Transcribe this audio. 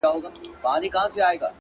پر ځان کار کول غوره پانګونه ده